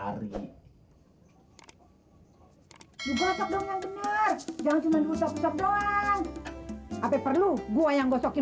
hari hari hai juga sop dong yang bener jangan cuma usap usap doang apa perlu gua yang gosokin